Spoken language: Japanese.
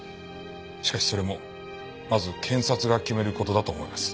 しかしそれもまず検察が決める事だと思います。